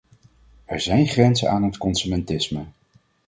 Er zijn grenzen aan het consumentisme.